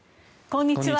こんにちは。